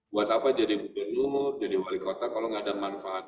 buat apa jadi gubernur jadi wali kota kalau nggak ada manfaat